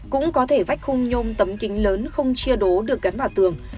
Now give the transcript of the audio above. cũng có thể vách khung nhôm tấm kính lớn không chia đố được cắn vào tường